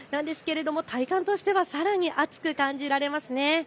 体感としてはさらに暑く感じられますね。